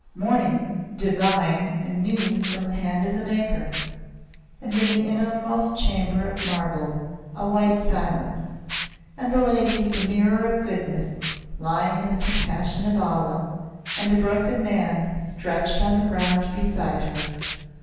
Morning, divine and new from the hand of the Maker! And in the innermost chamber of marble a white silence; and the Lady, the Mirror of Goodness, lying in the Compassion of Allah, and a broken man stretched on the ground beside her.